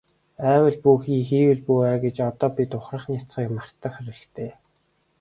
АЙвал бүү хий, хийвэл бүү ай гэж одоо бид ухрах няцахыг мартах хэрэгтэй.